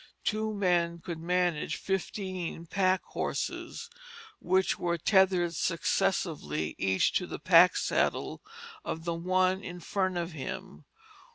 Two men could manage fifteen pack horses, which were tethered successively each to the pack saddle of the one in front of him.